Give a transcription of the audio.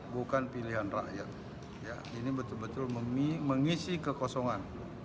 bukan pilihan rakyat ini betul betul mengisi kekosongan